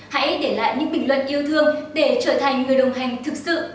hãy để lại những bình luận yêu thương để trở thành người đồng hành thực sự